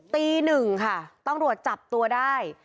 ตีหนึ่งค่ะตำรวจจับตัวได้